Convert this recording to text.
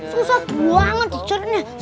susah banget dicariinnya